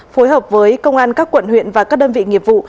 phối hợp với công an các quận huyện và các đơn vị nghiệp vụ